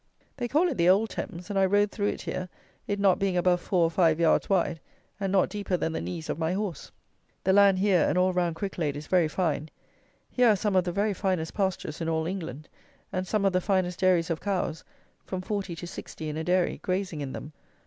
They call it the "Old Thames," and I rode through it here, it not being above four or five yards wide, and not deeper than the knees of my horse. The land here and all round Cricklade is very fine. Here are some of the very finest pastures in all England, and some of the finest dairies of cows, from 40 to 60 in a dairy, grazing in them.